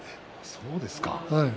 そうですか。